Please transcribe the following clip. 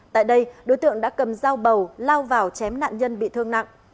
tại đây đối tượng đã cầm dao bầu lao vào chém nạn nhân bị thương nặng